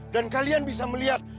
dan kalian bisa melihat